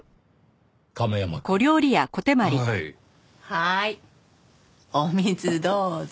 はいお水どうぞ。